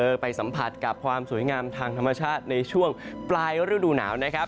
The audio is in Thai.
ไปสัมผัสกับความสวยงามทางธรรมชาติในช่วงปลายฤดูหนาวนะครับ